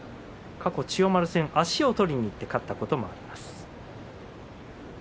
過去、千代丸には足を取って勝ったことがあります。